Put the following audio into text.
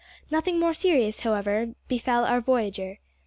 Nothing more serious, however, befell our voyager.